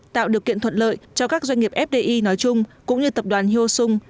tạo điều kiện thuận lợi cho các doanh nghiệp fdi nói chung cũng như tập đoàn hyo sung